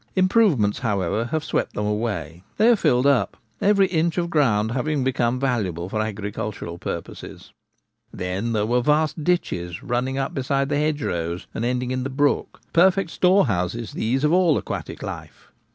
Improvements, however, have swept them away ; they are filled up, every inch of ground having be come valuable for agricultural purposes. Then there were vast ditches running up beside the hedgerows, Old Ditches. 87 and ending in the brook ; perfect storehouses these of all aquatic life.